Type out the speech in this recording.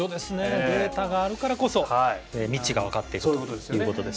データがあるからこそ未知が分かっていくということです。